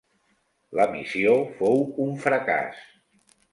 La missió fou un fracàs.